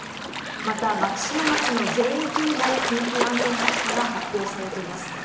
また、松島町の全域にも緊急安全確保が発表されています。